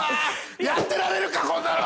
やってられるかこんなの！